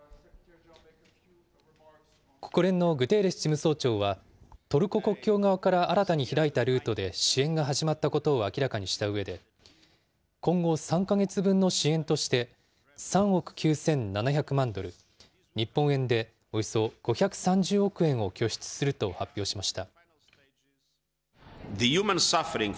国連のグテーレス事務総長は、トルコ国境側から新たに開いたルートで支援が始まったことを明らかにしたうえで、今後３か月分の支援として、３億９７００万ドル、日本円でおよそ５３０億円を拠出すると発表しました。